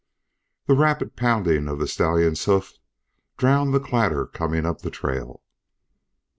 The rapid pounding of the stallion's hoofs drowned the clatter coming up the trail.